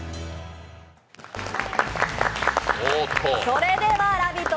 それでは「ラヴィット！